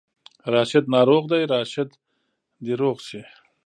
راشد ناروغ دی، راشد دې روغ شي